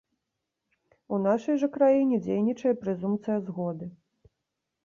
У нашай жа краіне дзейнічае прэзумпцыя згоды.